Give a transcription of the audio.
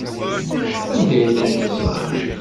Anda ay ten-teẓẓam?